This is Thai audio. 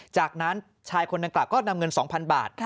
จากนั้นชายคนดังกล่าก็นำเงิน๒๐๐๐บาท